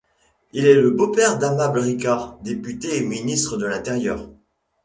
Il est le beau-père d'Amable Ricard, député et ministre de l'Intérieur.